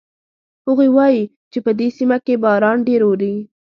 هغوی وایي چې په دې سیمه کې باران ډېر اوري